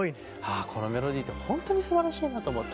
ああこのメロディーって本当にすばらしいなと思う。